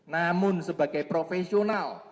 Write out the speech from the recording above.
namun sebagai profesional